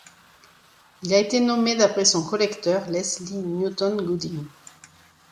Il a été nommé d'après son collecteur, Leslie Newton Goodding.